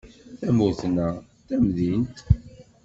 D tamurt neɣ d tamdint?